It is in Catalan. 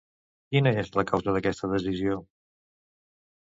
Quina és la causa d'aquesta decisió?